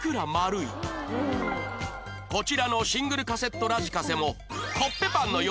こちらのシングルカセットラジカセも